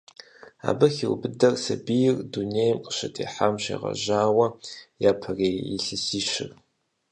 Абы хиубыдэр сабийр дунейм къыщытехьам щегъэжьауэ япэрей илъэсищырщ.